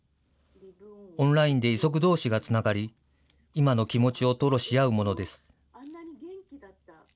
オンラインで遺族どうしがつながり、今の気持ちを吐露し合うものです。